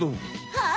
はい！